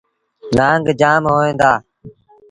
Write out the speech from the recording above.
نآنگ جآم هوئين دآ۔